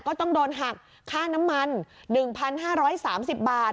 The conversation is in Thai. ก็ต้องโดนหักค่าน้ำมันหนึ่งพันห้าร้อยสามสิบบาท